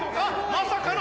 まさかの。